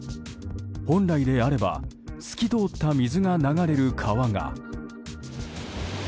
本来であれば透き通った水が流れる川が。